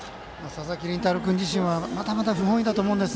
佐々木麟太郎君自身はまだまだ不本意だと思うんです。